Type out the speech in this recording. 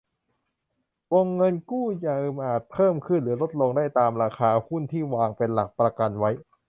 วงเงินกู้ยืมอาจเพิ่มขึ้นหรือลดลงได้ตามราคาหุ้นที่วางเป็นหลักประกันไว้